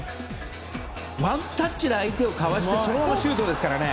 ワンタッチで相手をかわしてそのままシュートですから。